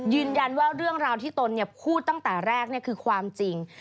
ยืนยันว่าเรื่องราวที่ตนพูดตั้งแต่แรกคือความจริง